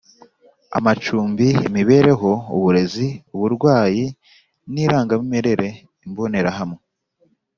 amacumbi imibereho uburezi uburwayi n irangamimerere Imbonerahamwe